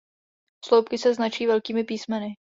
Sloupky se značí velkými písmeny.